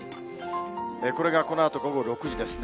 これがこのあと午後６時ですね。